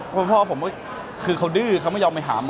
คุณพ่อผมก็คือเขาดื้อเขาไม่ยอมไปหาหมอ